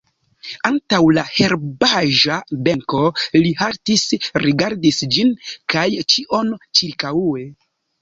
Antaŭ la herbaĵa benko li haltis, rigardis ĝin kaj ĉion ĉirkaŭe.